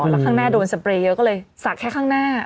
แล้วข้างหน้าโดนสเปรย์เยอะก็เลยสักแค่ข้างหน้า